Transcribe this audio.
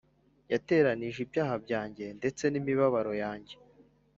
Yateranij' ibyaha byanjye, Ndetse n'imibabaro yanjye.